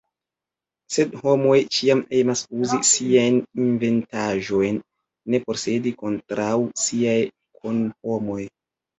Sed homoj ĉiam emas uzi siajn inventaĵojn ne por sed kontraŭ siaj kunhomoj.